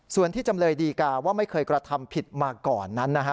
ส่วนที่จำเลยดีกาว่าไม่เคยกระทำผิดมาก่อนนั้นนะฮะ